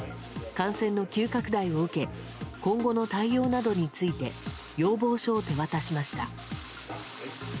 感染の急拡大を受け今後の対応などについて要望書を手渡しました。